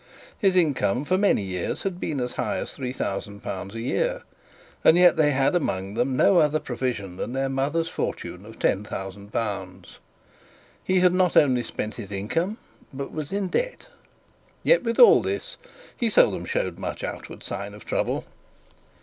His income for many years had been as high as L 3000 a year, and yet they had among them no other provision than their mother's fortune of L 10,000. He had not only spent his income, but was in debt. Yet, with all this, he seldom showed much outward sign of trouble.